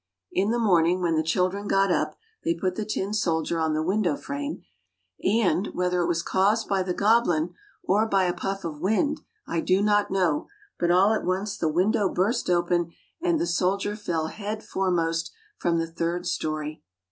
In the morning when the children got up they put the tin soldier on the window frame, and, whether it was caused by the goblin or by a puff of wind, I do not know, but all at once the window burst open, and the soldier fell head foremost from the third storey.